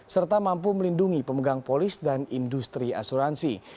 serta mampu melindungi pemegang polis dan industri asuransi